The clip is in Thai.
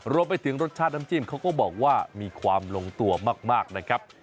รวมไปถึงรสชาติน้ำจิ้มเขาก็บอกว่ามีความลงตัวมากนะครับ